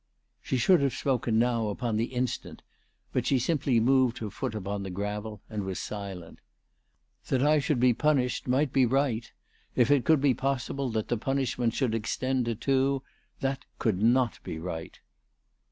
She should have spoken now, upon the instant ; but she simply moved her foot upon the gravel and was silent. "That I should be punished might be right. If it could be possible that the punishment should extend to two, that could not be right."